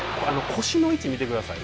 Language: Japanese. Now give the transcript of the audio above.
腰の位置を見てください。